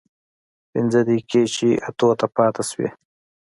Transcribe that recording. پينځه دقيقې چې اتو ته پاتې سوې.